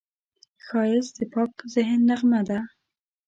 ښایست د پاک ذهن نغمه ده